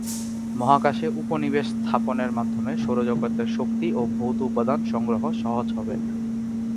মহাকাশে উপনিবেশ স্থাপনের মাধ্যমে সৌরজগতের শক্তি ও ভৌত উপাদান সংগ্রহ সহজ হবে।